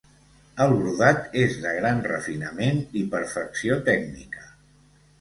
El brodat és de gran refinament i perfecció tècnica.